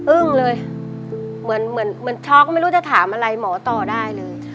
อึ้งเลยเหมือนช็อกก็ไม่รู้จะถามอะไรหมอต่อได้เลย